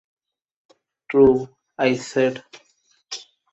"True," I said.